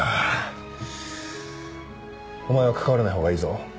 お前は関わらないほうがいいぞ。